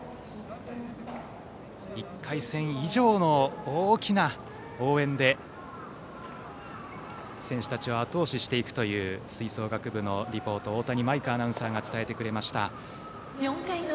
１回戦以上の大きな応援で選手たちをあと押ししていくという吹奏楽部のリポート大谷舞風アナウンサーが伝えてくれました。